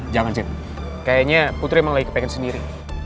jangan sih kayaknya putri emang lagi kepengen sendiri